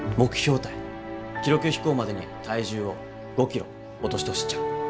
記録飛行までに体重を５キロ落としてほしいっちゃ。